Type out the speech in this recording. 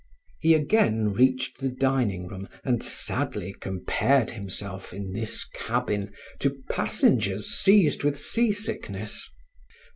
He again reached the dining room and sadly compared himself, in this cabin, to passengers seized with sea sickness.